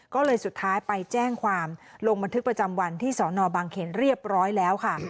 ก็เลยสุดท้ายไปแจ้งความลงบันทึกประจำวันที่สอนอบางเขนเรียบร้อยแล้วค่ะ